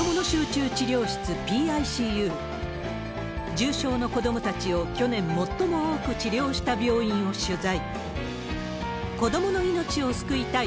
重症の子どもたちを去年最も多く治療した病院を取材。